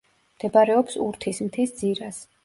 მდებარეობს ურთის მთის ძირას.